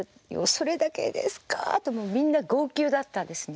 それだけですか」とみんな号泣だったんですね。